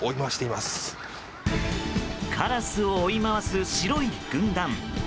カラスを追い回す白い軍団。